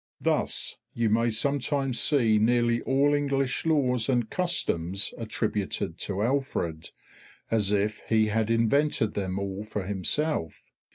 Thus you may sometimes see nearly all English laws and customs attributed to Alfred, as if he had invented them all for himself.